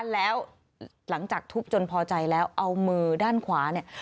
แล้วหลังจากทุบจนพอใจแล้วเอามือด้านขวาเนี่ย